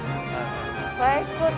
映えスポット